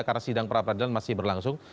karena sidang peradilan masih berlangsung